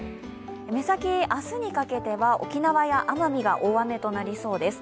目先、明日にかけては沖縄や奄美が大雨となりそうです。